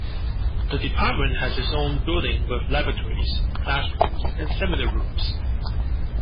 The department has its own building with laboratories, classrooms and seminar rooms.